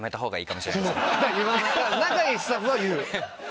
言わない仲いいスタッフは言う。